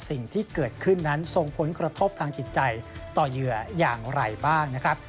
สิ่งที่เกิดขึ้นนั้นส่งผลกระทบทางจิตใจต่อเหยื่ออย่างไรบ้างนะครับ